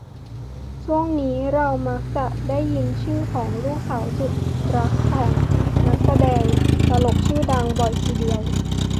ช่วงนี้เรามักจะได้ยินชื่อของ ลูกสาวสุดรักของ นักแสดงตลกชื่อดัง บ่อยทีเดียว